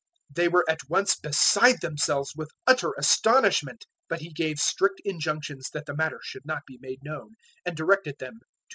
They were at once beside themselves with utter astonishment; 005:043 but He gave strict injunctions that the matter should not be made known, and directed them to give her something to eat.